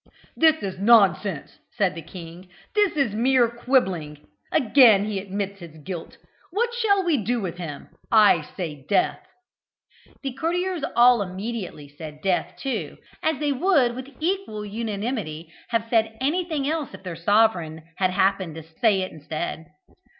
"This is nonsense," said the king; "this is mere quibbling again he admits his guilt. What shall we do with him? I say death!" The courtiers all immediately said death too, as they would with equal unanimity have said anything else if their sovereign had happened to say it instead.